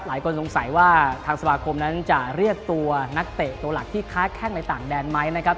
หลายคนสงสัยว่าทางสมาคมนั้นจะเรียกตัวนักเตะตัวหลักที่ค้าแข้งในต่างแดนไหมนะครับ